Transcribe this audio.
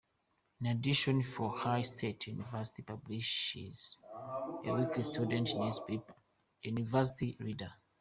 In addition, Fort Hays State University publishes a weekly student newspaper, "The University Leader".